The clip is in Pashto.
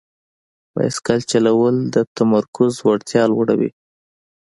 بایسکل چلول د تمرکز وړتیا لوړوي.